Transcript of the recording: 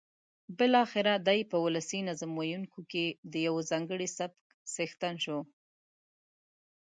بالاخره دی په ولسي نظم ویونکیو کې د یوه ځانګړي سبک څښتن شو.